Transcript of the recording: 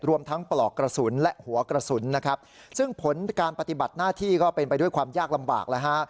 รวมทั้งปลอกกระสุนและหัวกระสุนนะครับซึ่งผลการปฏิบัติหน้าที่ก็เป็นไปด้วยความยากลำบากแล้วฮะ